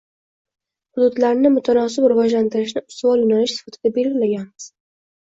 Hududlarni mutanosib rivojlantirishni ustuvor yo‘nalish sifatida belgilaganmiz.